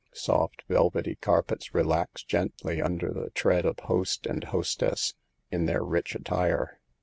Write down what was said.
Soft, velvety carpets relax gently under the tread of host and hostess, in their rich attire.